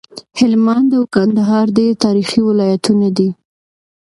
هلمند او کندهار ډير تاريخي ولايتونه دي